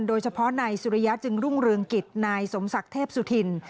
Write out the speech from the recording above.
โดยเฉพาะนายสุริยะจึงรุ่งเรืองกิจนายสมศักดิ์เทพสุธิน